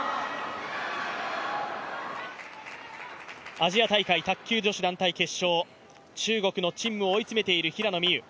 アジア大会卓球女子団体決勝、中国の陳夢を追い詰めている平野美宇。